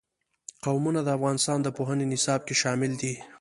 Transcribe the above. قومونه د افغانستان د پوهنې نصاب کې شامل دي.